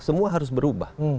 semua harus berubah